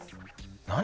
何？